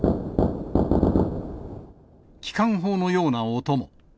機関砲のような音も。